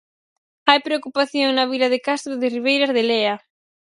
Hai preocupación na vila de Castro de Ribeiras de Lea.